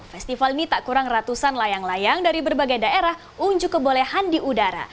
festival ini tak kurang ratusan layang layang dari berbagai daerah unjuk kebolehan di udara